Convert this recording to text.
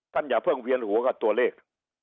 อย่าเพิ่งเวียนหัวกับตัวเลข